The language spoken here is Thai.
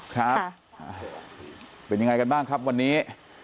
ครับเป็นยังไงกันบ้างครับวันนี้